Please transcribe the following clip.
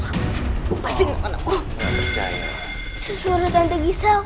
pak sepertinya ada keributan pak coba liat